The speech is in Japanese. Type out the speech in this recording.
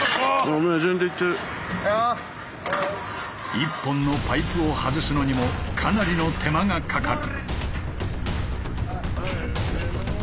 １本のパイプを外すのにもかなりの手間がかかる。